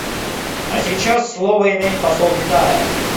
А сейчас слово имеет посол Китая.